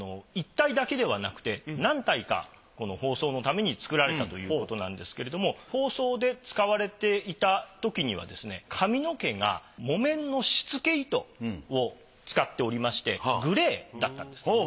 １体だけではなくて何体かこの放送のために作られたということなんですけれども放送で使われていたときにはですね髪の毛が木綿のしつけ糸を使っておりましてグレーだったんです。